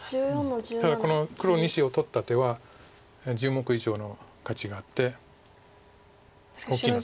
ただこの黒２子を取った手は１０目以上の価値があって大きな手。